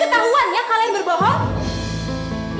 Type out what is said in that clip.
ketahuannya kalian berbohong